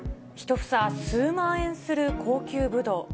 １房数万円する高級ぶどう。